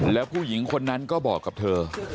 แล้วผู้หญิงคนนั้นก็บอกกับเธอ